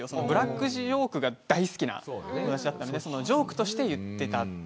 ブラックジョークが大好きな友達だったんでジョークとして言ってた。